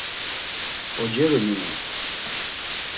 Oceru minon.